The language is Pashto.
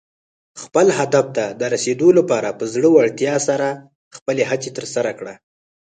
خپل هدف ته د رسېدو لپاره په زړۀ ورتیا سره خپلې هڅې ترسره کړه.